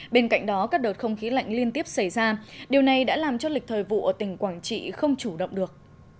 bên cạnh đó các đợt không khí lạnh liên tiếp xảy ra điều này đã làm cho lịch thời vụ ở tỉnh quảng trị không chủ động được